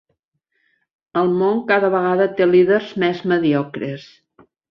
El món cada vegada té líders més mediocres.